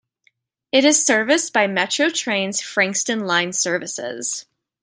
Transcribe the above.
It is serviced by Metro Trains' Frankston line services.